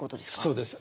そうです。